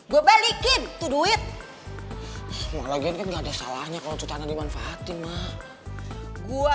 gua balikin tuh duit malah kan nggak ada salahnya kalau tutana dimanfaatin mah gua